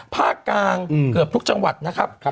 ภาคกลางเกือบทุกจังหวัดนะครับ